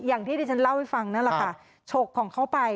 อย่างที่ที่ฉันเล่าให้ฟังนั่นแหละค่ะฉกของเขาไป